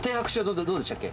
どうでしたっけ？